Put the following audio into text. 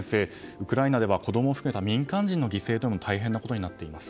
ウクライナでは子供を含めて民間人の犠牲も大変なことになっています。